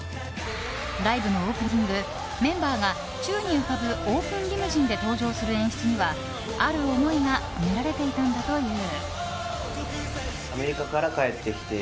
ライブのオープニングメンバーが宙に浮かぶオープンリムジンで登場する演出には、ある思いが込められていたんだという。